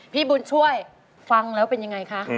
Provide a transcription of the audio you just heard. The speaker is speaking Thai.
พี่บุญช่วยฟังแล้วเป็นยังไงคะ